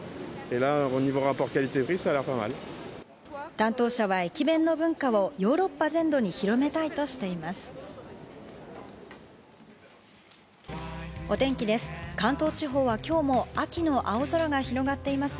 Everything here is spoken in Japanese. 担当者は、駅弁の文化をヨーロッパ全土に広めたいとしています。